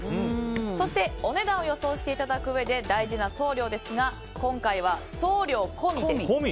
そして、お値段を予想していただくうえで大事な送料ですが今回は送料込みです。